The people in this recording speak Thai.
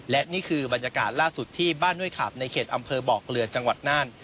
และนี่คือบรรยากาศล่าสุดที่บ้านห้วยขาบในเขตอำเภอบอกเรือจังหวัดน่าน